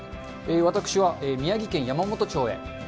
私は宮城県山元町へ。